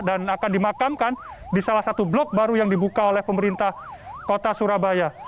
dan akan dimakamkan di salah satu blok baru yang dibuka oleh pemerintah kota surabaya